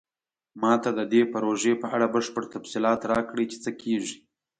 ما ته د دې پروژې په اړه بشپړ تفصیلات راکړئ چې څه کیږي